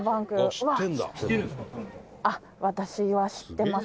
「私は知ってます。